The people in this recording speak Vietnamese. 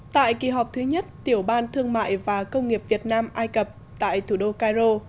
tại kỳ họp thứ nhất tiểu ban thương mại và công nghiệp việt nam ai cập tại thủ đô cairo